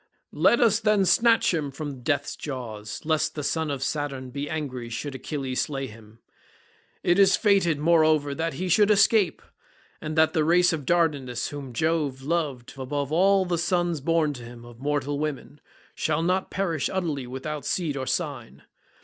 Let us then snatch him from death's jaws, lest the son of Saturn be angry should Achilles slay him. It is fated, moreover, that he should escape, and that the race of Dardanus, whom Jove loved above all the sons born to him of mortal women, shall not perish utterly without seed or sign.